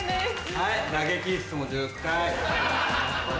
はい。